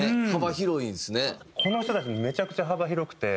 この人たちもめちゃくちゃ幅広くて。